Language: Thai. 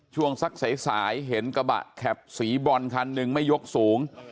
ช่วงสักสายเห็นกระบะแข็บสีบอลคันหนึ่งไม่ยกสูง